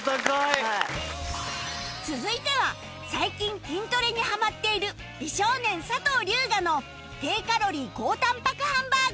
続いては最近筋トレにハマっている美少年佐藤龍我の低カロリー高タンパクハンバーグ